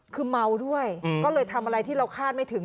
คือเมาด้วยก็เลยทำอะไรที่เราคาดไม่ถึง